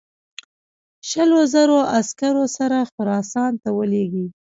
شلو زرو عسکرو سره خراسان ته ولېږي.